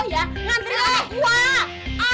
nganterin anak gue